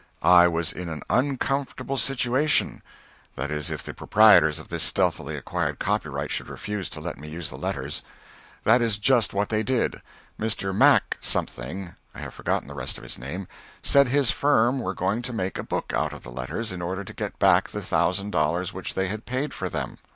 I was in an uncomfortable situation that is, if the proprietors of this stealthily acquired copyright should refuse to let me use the letters. That is just what they did; Mr. Mac something I have forgotten the rest of his name said his firm were going to make a book out of the letters in order to get back the thousand dollars which they had paid for them.